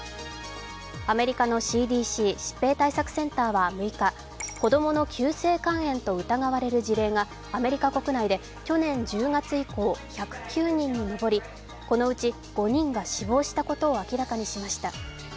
アメリカのＣＤＣ＝疾病対策センターは６日、子供の急性肝炎と疑われる事例がアメリカ国内で去年１０月以降１０９人に上りこのうち５人が死亡したことを明らかにしました。